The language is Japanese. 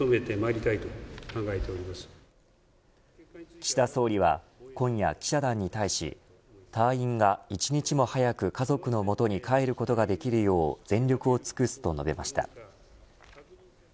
岸田総理は今夜、記者団に対し隊員が１日も早く家族のもとに帰ることができるよう全力を尽くすと述べました。